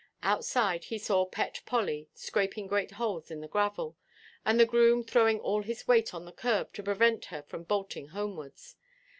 Outside he saw pet Polly scraping great holes in the gravel, and the groom throwing all his weight on the curb to prevent her from bolting homewards.